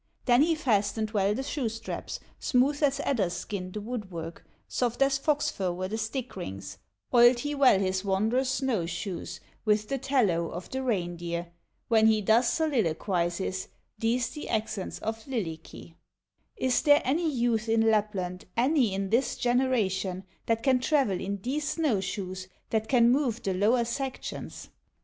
Then he fastened well the shoe straps, Smooth as adder's skin the woodwork, Soft as fox fur were the stick rings; Oiled he well his wondrous snow shoes With the tallow of the reindeer; When he thus soliloquizes, These the accents of Lylikki: "Is there any youth in Lapland, Any in this generation, That can travel in these snow shoes, That can move the lower sections?"